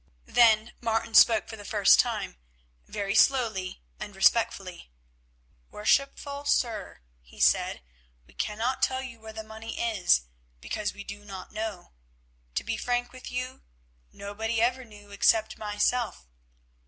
Then Martin spoke for the first time, very slowly and respectfully. "Worshipful sir," he said, "we cannot tell you where the money is because we do not know. To be frank with you, nobody ever knew except myself.